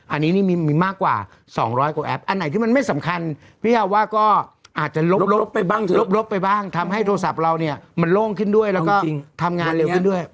อันนี้นี่มีมากกว่า๒๐๐กว่าแอปอันไหนที่มันไม่สำคัญพี่ชาวว่าก็อาจจะลบไปบ้างลบไปบ้างทำให้โทรศัพท์เราเนี่ยมันโล่งขึ้นด้วยแล้วก็ทำงานเร็วขึ้นด้วย